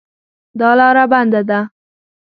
دا لار بنده ده